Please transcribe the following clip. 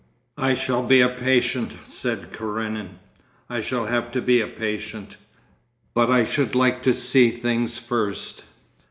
'I shall be a patient,' said Karenin. 'I shall have to be a patient. But I should like to see things first.